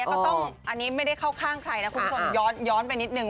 แต่อันนี้ไม่ได้เข้าข้างใครนะคุณสนย้อนไปนิดนึง